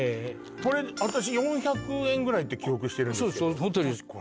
これ私４００円ぐらいって記憶してるんですけどそのとおりです